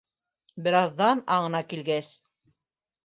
Бер аҙҙан аңына килгәс: